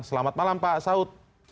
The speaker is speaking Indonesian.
selamat malam pak saud